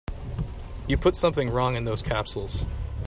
You put something wrong in those capsules.